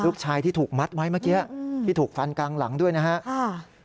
ลูกชายที่ถูกมัดไว้เมื่อกี้ที่ถูกฟันกลางหลังด้วยนะครับ